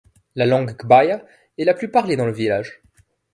La langue Gbaya est la plus parlée dans le village.